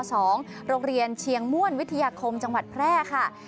โรงเรียนเชียงม่วนวิทยาคมจังหวัดแพร่ค่ะ